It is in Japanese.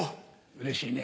うれしいね。